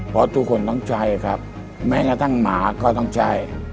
เพราะทุกคนต้องใช่ครับแม้กระทั่งหมาก็ต้องใช่